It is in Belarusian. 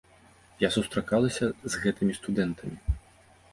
Я сустракалася з гэтымі студэнтамі.